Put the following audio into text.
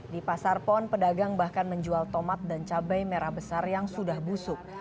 di pasar pon pedagang bahkan menjual tomat dan cabai merah besar yang sudah busuk